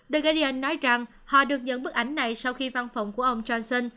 the guardian nói rằng họ được nhận bức ảnh này sau khi văn phòng của ông johnson